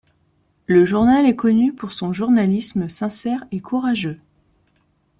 Le journal est connu pour son journalisme sincère et courageux.